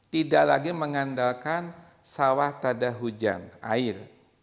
tidak lagi mengandalkan sawah tada hujan air